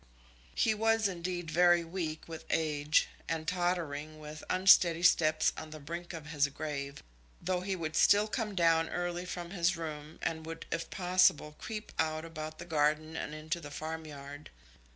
He was, indeed, very weak with age, and tottering with unsteady steps on the brink of his grave, though he would still come down early from his room, and would, if possible, creep out about the garden and into the farmyard.